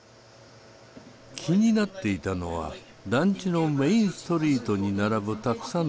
気になっていたのは団地のメインストリートに並ぶたくさんの屋台。